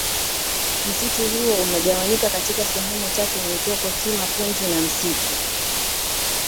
Msitu huo umegawanyika katika sehemu tatu mikoko kima punju na msitu